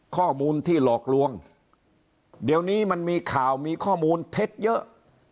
ข้อมูลที่หลอกลวงเดี๋ยวนี้มันมีข่าวมีข้อมูลเท็จเยอะ